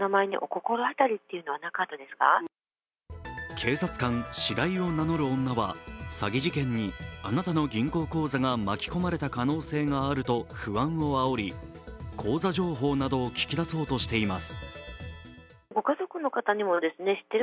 警察官シライを名乗る女は詐欺事件にあなたの銀行口座が巻き込まれた可能性があると不安をあおり口座情報などを聞き出そうとしています。